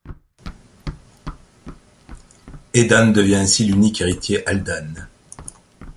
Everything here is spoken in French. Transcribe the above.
Aidan devient ainsi l'unique héritier Haldane.